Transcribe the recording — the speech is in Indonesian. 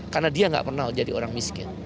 karena dia nggak pernah jadi orang miskin